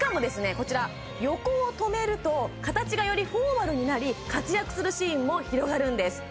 こちら横を留めると形がよりフォーマルになり活躍するシーンも広がるんです